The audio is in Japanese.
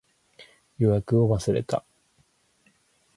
予約を忘れた